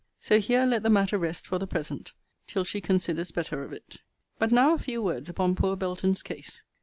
So here let the matter rest for the present, till she considers better of it. But now a few words upon poor Belton's case.